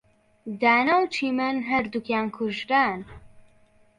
دانا و چیمەن هەردووکیان کوژران.